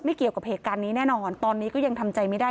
เกี่ยวกับเหตุการณ์นี้แน่นอนตอนนี้ก็ยังทำใจไม่ได้